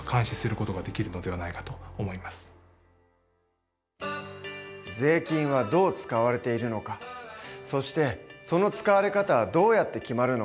私たちは税金はどう使われているのかそしてその使われ方はどうやって決まるのか。